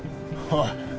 ああ？